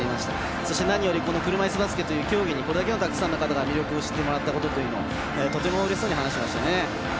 そして、何より車いすバスケという競技にこれだけのたくさんの方々に魅力を知ってもらったことというのをとてもうれしそうに話していました。